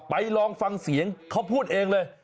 ลองฟังเสียงเขาพูดเองเลย